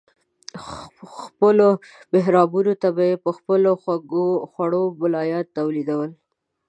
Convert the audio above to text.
خپلو محرابونو ته به یې په خپلو خوړو ملایان تولیدول.